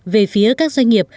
về phía các doanh nghiệp